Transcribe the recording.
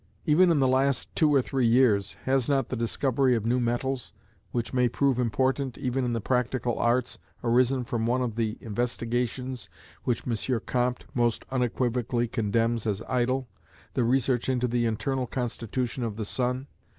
Even in the last two or three years, has not the discovery of new metals, which may prove important even in the practical arts, arisen from one of the investigations which M. Comte most unequivocally condemns as idle, the research into the internal constitution of the sun?